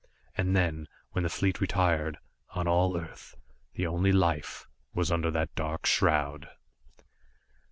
And then, when the fleet retired, on all Earth, the only life was under that dark shroud!